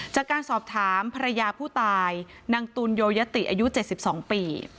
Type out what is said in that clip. จากการสอบถามภรรยาผู้ตายนางตุลโยยะติอายุ๗๒ปี